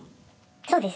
そうです。